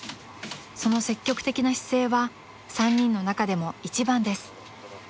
［その積極的な姿勢は３人の中でも一番です］